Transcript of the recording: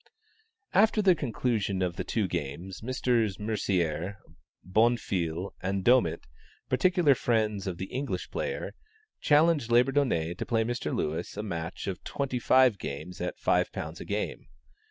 After the conclusion of the two games, Messrs. Mercier, Bonfil and Domit, particular friends of the English player, challenged Labourdonnais to play Mr. Lewis a match of twenty five games at £5 a game.